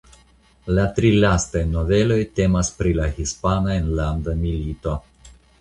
La tri lastaj noveloj temas pri la Hispana Enlanda Milito.